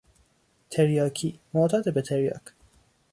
تریاکی، معتاد به تریاک